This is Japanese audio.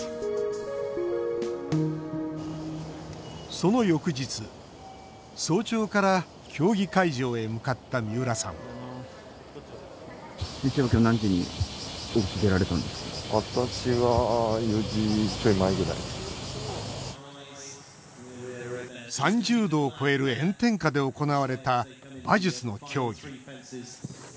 その翌日、早朝から競技会場へ向かった三浦さん３０度を超える炎天下で行われた馬術の競技。